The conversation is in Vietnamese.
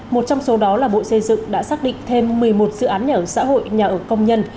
một trong số đó là bộ xây dựng đã xác định thêm một mươi một dự án nhà ở xã hội nhà ở công nhân